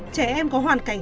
trẻ em có hoàn cảnh